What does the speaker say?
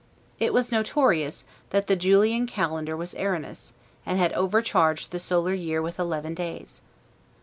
It was notorious, that the Julian calendar was erroneous, and had overcharged the solar year with eleven days.